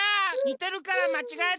にてるからまちがえた。